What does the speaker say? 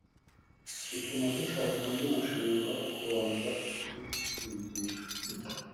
bituma dushaka undi mushinga wo kubanza kubibigisha”